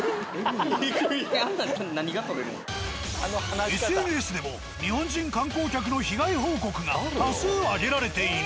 あんなんＳＮＳでも日本人観光客の被害報告が多数あげられている。